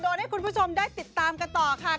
ให้คุณผู้ชมได้ติดตามกันต่อค่ะ